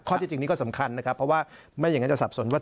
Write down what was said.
ที่จริงนี้ก็สำคัญนะครับเพราะว่าไม่อย่างนั้นจะสับสนว่า